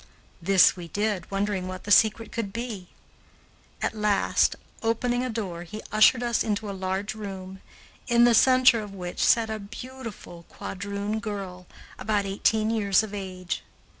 This we did, wondering what the secret could be. At last, opening a door, he ushered us into a large room, in the center of which sat a beautiful quadroon girl, about eighteen years of age.